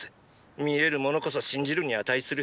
見えるものこそ信じるに値する。